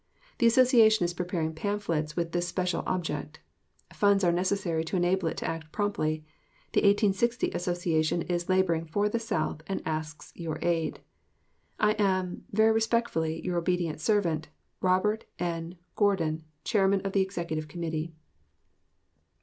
The Association is preparing pamphlets with this special object. Funds are necessary to enable it to act promptly. "The 1860 Association" is laboring for the South, and asks your aid. I am, very respectfully your obedient servant, ROBERT N. GOURDIN, Chairman of the Executive Committee.